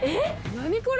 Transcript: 何これ！